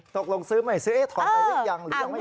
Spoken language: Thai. ตกลงซื้อไม่ซื้อเอ๊ะถอนไปหรือยังหรือยังไม่